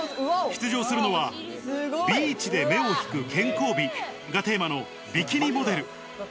出場するのは、ビーチで目を引く健康美がテーマのビキニモデル。